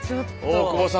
大久保さん。